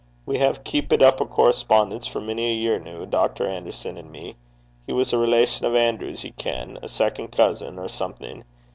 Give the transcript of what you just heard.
We hae keepit up a correspondence for mony a year noo, Dr. Anderson an' me. He was a relation o' Anerew's, ye ken a second cousin, or something.